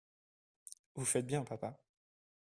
Vous faites bien, papa.